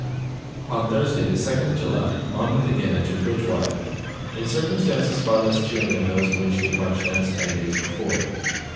On Thursday, the second of July, Monmouth again entered Bridgewater, In circumstances far less cheering than those in which he had marched thence ten days before.